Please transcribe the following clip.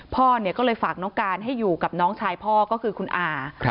พ่อก็เลยฝากน้องการให้อยู่กับน้องชายพ่อก็คือคุณอา